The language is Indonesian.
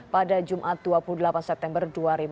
pada jumat dua puluh delapan september dua ribu dua puluh